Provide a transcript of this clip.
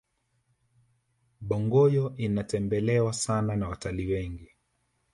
bongoyo inatembelewa sana na watalii wengi